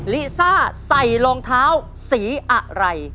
ลิซ่าใส่รองเท้าสีอะไร